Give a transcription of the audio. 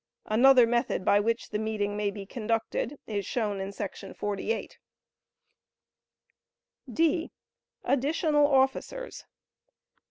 [Another method by which the meeting may be conducted is shown in § 48.] (d) Additional Officers.